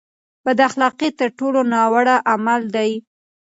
بد اخلاقي تر ټولو ناوړه عمل دی.